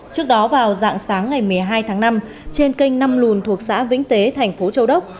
trước đó vào dạng sáng ngày một mươi hai tháng năm trên kênh năm lùn thuộc xã vĩnh tế thành phố châu đốc